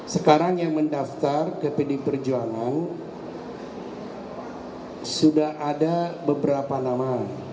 sekarang yang mendaftar ke pdi perjuangan sudah ada beberapa nama